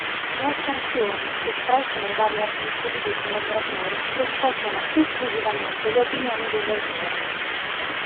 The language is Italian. Le asserzioni espresse nei vari articoli dei collaboratori rispecchiano esclusivamente le opinioni degli autori.